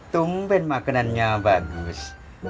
tumpen makanannya bagus